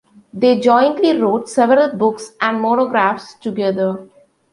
They jointly wrote several books and monographs together.